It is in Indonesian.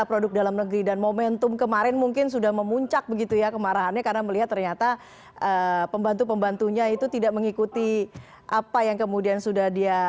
produk dalam negeri dan momentum kemarin mungkin sudah memuncak begitu ya kemarahannya karena melihat ternyata pembantu pembantunya itu tidak mengikuti apa yang kemudian sudah dia